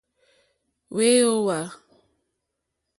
Wɛ̄ ǒ wàà.